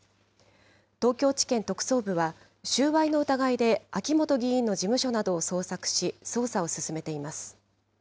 東京地検特捜部は、収賄の疑いで秋本議員の事務所などを捜索し、捜査を進めています。